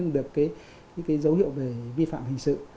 được cái dấu hiệu về vi phạm hình sự